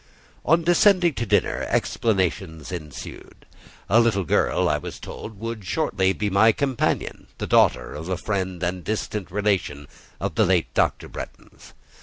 On descending to dinner, explanations ensued. A little girl, I was told, would shortly be my companion: the daughter of a friend and distant relation of the late Dr. Bretton's.